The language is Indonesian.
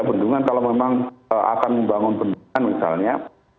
bendungan kalau memang akan membangun bendungan misalnya